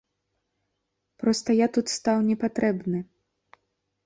Проста я тут стаў не патрэбны.